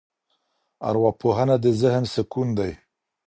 ارواپوهنه د ذهن سکون دی.